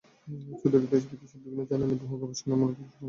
চৌধুরী দেশ-বিদেশে বিভিন্ন জার্নালে বহু গবেষণামূলক প্রবন্ধ প্রকাশ করেছেন।